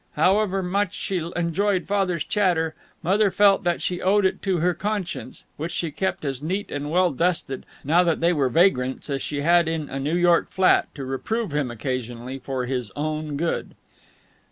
However much she enjoyed Father's chatter, Mother felt that she owed it to her conscience which she kept as neat and well dusted, now that they were vagrants, as she had in a New York flat to reprove him occasionally, for his own good.